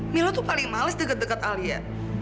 milo itu paling males deket deket alia